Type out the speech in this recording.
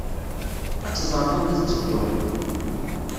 Ad teẓreḍ anda tettedduḍ.